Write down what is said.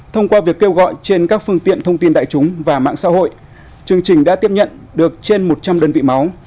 thông qua việc kêu gọi trên các phương tiện thông tin đại chúng và mạng xã hội chương trình đã tiếp nhận được trên một trăm linh đơn vị máu